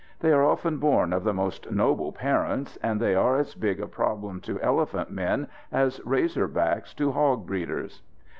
They are often born of the most noble parents, and they are as big a problem to elephant men as razor backs to hog breeders.